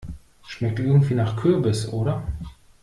Schmeckt irgendwie nach Kürbis, oder?